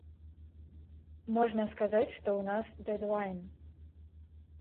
Можна сказаць, што ў нас дэд-лайн.